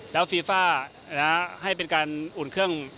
แล้วฟีฟ่าให้เป็นการอุ่นเครื่อง